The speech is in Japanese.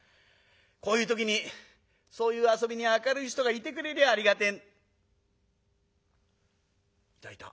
こういう時にそういう遊びに明るい人がいてくれりゃありがてえいたいた。